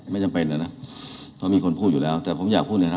ไม่จำเป็นแล้วนะเพราะมีคนพูดอยู่แล้วแต่ผมอยากพูดเนี่ยนะ